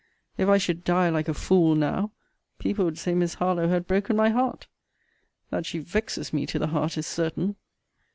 If I should die like a fool now, people would say Miss Harlowe had broken my heart. That she vexes me to the heart, is certain.